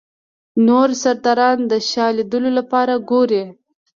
نور سرداران د شاه لیدلو لپاره ګوري.